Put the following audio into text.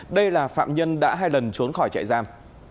đây là phạm nhân đã hai lần trốn khỏi trại giam